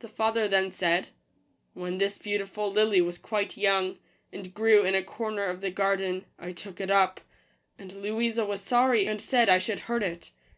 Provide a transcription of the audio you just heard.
The father then said, " When this beautiful lily was quite young, and grew in a corner of the garden, I took it up ; and Louisa was sorry, and said I should hurt it.